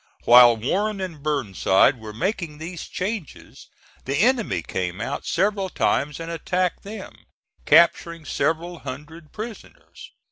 While Warren and Burnside were making these changes the enemy came out several times and attacked them, capturing several hundred prisoners.